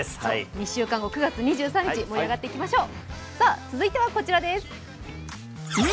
１週間後、９月２３日、盛り上がっていきましょう。